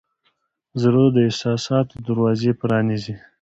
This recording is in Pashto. زړه د احساساتو دروازې پرانیزي.